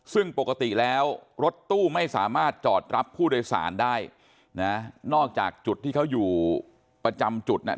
ซึ่งปกติแล้วรถตู้ไม่สามารถจอดรับผู้โดยสารได้นะนอกจากจุดที่เขาอยู่ประจำจุดน่ะ